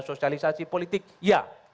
sosialisasi politik ya